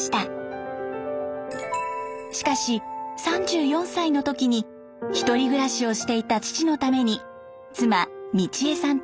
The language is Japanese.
しかし３４歳の時に１人暮らしをしていた父のために妻美千枝さんとともに島に戻りました。